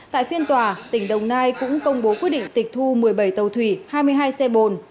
tại phiên tòa tỉnh đồng nai cũng công bố quyết định tịch thu một mươi bảy tàu thủy hai mươi hai xe bồn